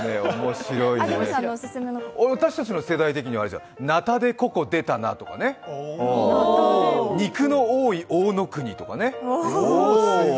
私たちの世代的にはナタデココでたなとか、肉の多いオオノクニとかね。